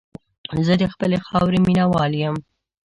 زه د خپلې خاورې مینه وال یم.